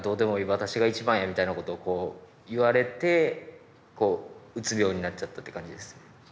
私が一番や」みたいなことをこう言われてうつ病になっちゃったって感じです。